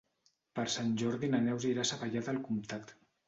Per Sant Jordi na Neus irà a Savallà del Comtat.